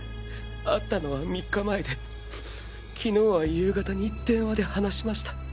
会ったのは３日前で昨日は夕方に電話で話しました。